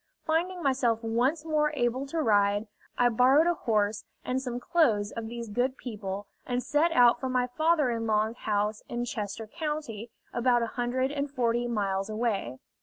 Finding myself once more able to ride, I borrowed a horse and some clothes of these good people, and set out for my father in law's house in Chester County, about a hundred and forty miles away.